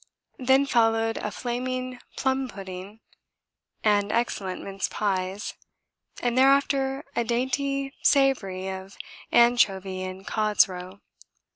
Then followed a flaming plum pudding and excellent mince pies, and thereafter a dainty savoury of anchovy and cod's roe.